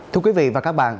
thưa quý vị và các bạn